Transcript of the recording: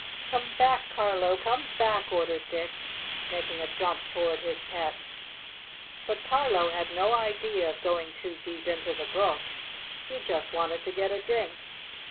"Come back, Carlo! Come back!" ordered Dick, making a jump toward his pet. But Carlo had no idea of going too deep into the brook. He just wanted to get a drink.